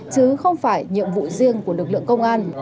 chứ không phải nhiệm vụ riêng của lực lượng công an